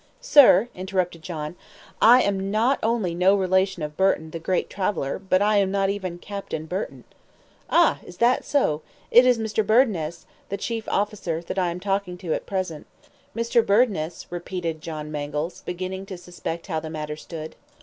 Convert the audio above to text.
"Sir," interrupted John. "I am not only no relation of Burton the great traveler, but I am not even Captain Burton." "Ah, is that so? It is Mr. Burdness, the chief officer, that I am talking to at present." "Mr. Burdness!" repeated John Mangles, beginning to suspect how the matter stood.